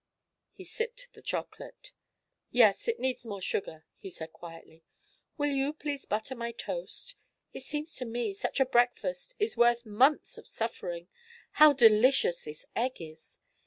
He sipped the chocolate. "Yes; it needs more sugar," he said quietly. "Will you please butter my toast? It seems to me such a breakfast is worth months of suffering. How delicious this egg is!